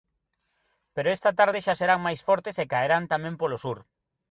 Pero esta tarde xa serán máis fortes e caerán tamén polo sur.